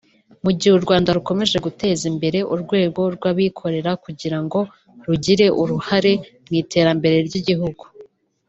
Mu gihe u Rwanda rukomeje guteza imbere urwego rw’abikorera kugira ngo rugire urahare mu iterambere ry’igihugu